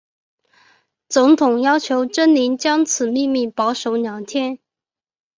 总统要求珍妮将此秘密保守两天。